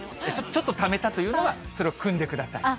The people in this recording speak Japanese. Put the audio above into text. ちょっとためたというのは、それをくんでください。